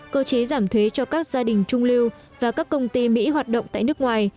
cơ chế giảm thuế cho các gia đình trung lưu và các công ty mỹ hoạt động tại nước ngoài